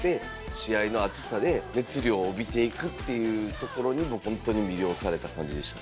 試合の熱さで熱量を帯びていくっていうところに、本当に魅了された感じでした。